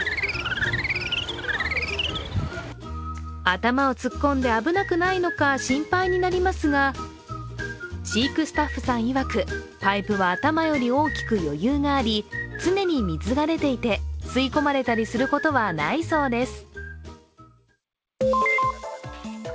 頭を突っ込んで危なくないのか心配になりますが飼育スタッフさんいわくパイプは頭より大きく余裕があり常に水が出ていて吸い込まれたりすることはないそうです。